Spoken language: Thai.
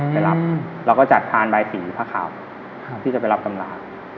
ไปรับเราก็จัดพานใบสีผ้าขาวที่จะไปรับตำรา